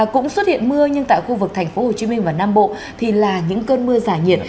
cũng xuất hiện mưa nhưng tại khu vực thành phố hồ chí minh và nam bộ thì là những cơn mưa giả nhiệt